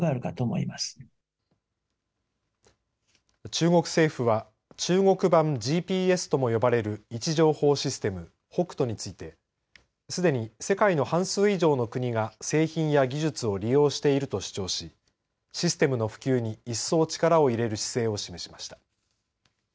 中国政府は中国版ＧＰＳとも呼ばれる位置情報システム北斗についてすでに世界の半数以上の国が製品や技術を利用していると主張しシステムの普及に一層力を入れる姿勢を示しました。